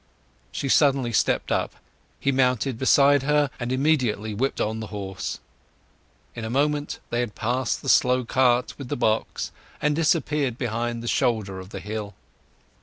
She suddenly stepped up; he mounted beside her, and immediately whipped on the horse. In a moment they had passed the slow cart with the box, and disappeared behind the shoulder of the hill.